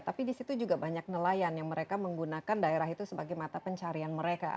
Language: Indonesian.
tapi di situ juga banyak nelayan yang mereka menggunakan daerah itu sebagai mata pencarian mereka